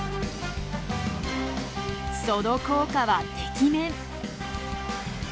その効果はてきめん！